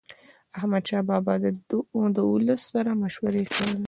احمدشاه بابا به د ولس سره مشورې کولي.